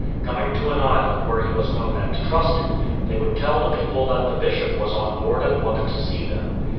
Coming to an island where he was known and trusted, they ^vould tell the people that the Bishop was on board and wanted to see them.